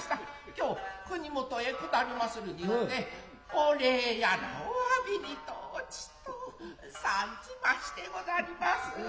今日国許へ下りまするによってお礼やらお詫にとちと参じましてござりまする。